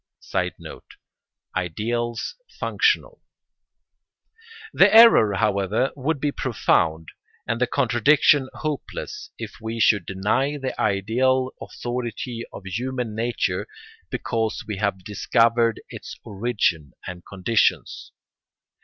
[Sidenote: Ideals functional.] The error, however, would be profound and the contradiction hopeless if we should deny the ideal authority of human nature because we had discovered its origin and conditions.